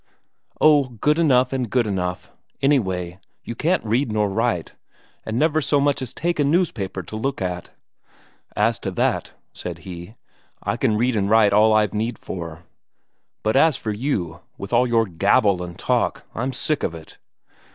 "Oh, good enough and good enough.... Anyway, you can't read nor write, and never so much as take a newspaper to look at." "As to that," said he, "I can read and write all I've any need for. But as for you, with all your gabble and talk ... I'm sick of it."